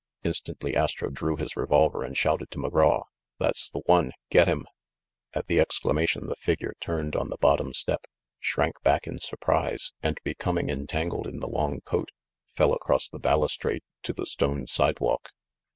Instantly Astro drew his revolver and shouted! to McGraw, "That's the one ! Get him !" At the exclamation, the figure turned on the bottom step, shrank back in surprise, and becoming entangled in the long coat, fell across the balustrade to the stone sidewalk.